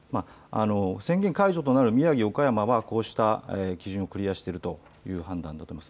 宣言解除となる宮城、岡山はこうした基準をクリアしているという判断だと思います。